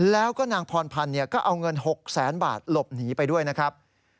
แล้วก็นางพรพันธ์ก็เอาเงิน๖แสนบาทหลบหนีไปด้วยนะครับ